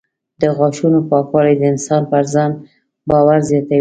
د غاښونو پاکوالی د انسان پر ځان باور زیاتوي.